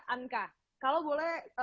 anka kalau boleh